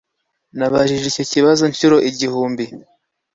Nibajije icyo kibazo inshuro igihumbi